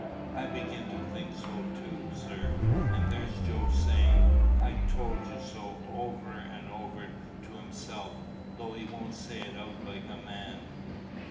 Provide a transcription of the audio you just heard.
"I begin to think so too, sir. And there's Joe saying, 'I told you so,' over and over to himself, though he won't say it out like a man."